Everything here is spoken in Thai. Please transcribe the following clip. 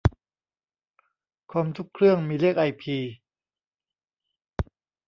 คอมทุกเครื่องมีเลขไอพี